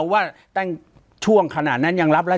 ปากกับภาคภูมิ